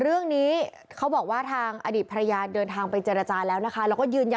เรื่องนี้เขาบอกว่าทางอดีตพระยาคุณเดินทางไปเจรจา